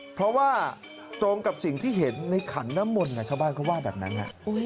เพราะว่าตรงกับสิ่งที่เห็นในขันน้ำมนต์ชาวบ้านเขาว่าแบบนั้น